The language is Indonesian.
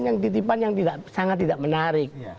yang titipan yang sangat tidak menarik